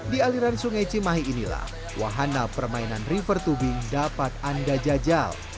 di aliran sungai cimahi inilah wahana permainan river tubing dapat anda jajal